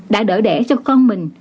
đã đỡ đẻ cho con mình